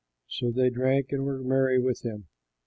So they drank and were merry with him.